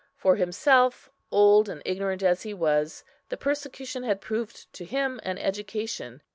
For himself, old and ignorant as he was, the persecution had proved to him an education.